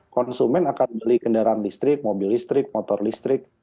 konsumen akan beli kendaraan listrik mobil listrik motor listrik